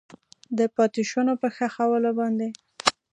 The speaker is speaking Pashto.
د پاتې شونو په ښخولو باندې